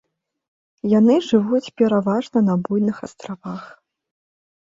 Яны жывуць пераважна на буйных астравах.